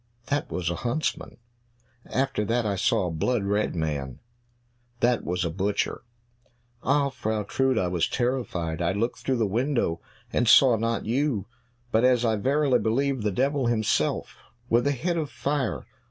"That was a huntsman." "After that I saw a blood red man." "That was a butcher." "Ah, Frau Trude, I was terrified; I looked through the window and saw not you, but, as I verily believe, the devil himself with a head of fire."